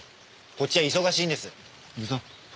こっちは忙しいんです。